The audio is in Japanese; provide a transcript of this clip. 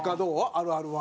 あるあるは。